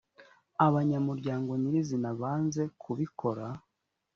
abanyamuryango nyirizina banze kubikora